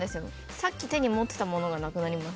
さっき手に持ってたものがなくなります。